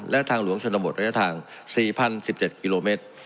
และทางหลวงชนบทระยะทาง๔๐๑๗กิโลเมตร